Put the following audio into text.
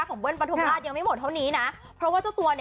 ชอบพูดคุณผู้ชมเราก็คิดนอกกรอบด้วยนะ